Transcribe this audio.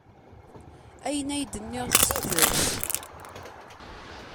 Ayen ay d-nniɣ d tidet.